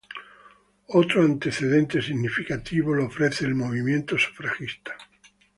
Otro antecedente significativo lo ofrece el movimiento sufragista.